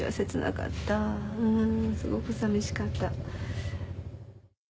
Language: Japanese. すごく寂しかった。